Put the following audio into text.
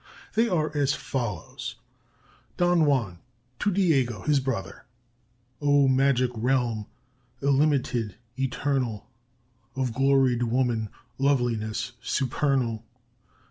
They are as follows: DON JUAN [to Diego, his brother] "O magic realm, illimited, eternal, Of gloried woman loveliness supernal!